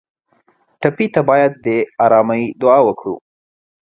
ټپي ته باید د ارامۍ دعا وکړو.